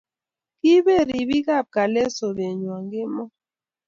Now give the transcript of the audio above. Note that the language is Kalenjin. kibeet ripik ab kalyet sobenwai kemoi